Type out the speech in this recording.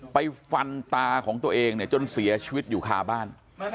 ไปฟันตาของตัวเองเนี่ยจนเสียชีวิตอยู่คาบ้าน